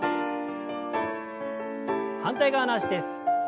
反対側の脚です。